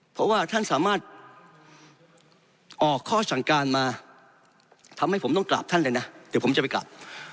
เพราะว่าท่านสามารถออกข้อสั่งการมาทำให้ผมต้องกราบท่านเลยนะเดี๋ยวผมจะไปกลับ